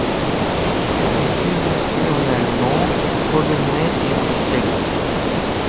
Elle diffuse aussi en allemand, en polonais et en tchèque.